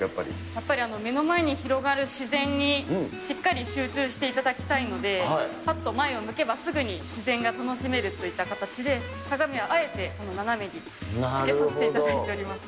やっぱり目の前に広がる自然に集中していただきたいので、ぱっと前を向けば、すぐに自然が楽しめるといった形で、鏡はあえて斜めにつけさせていただいております。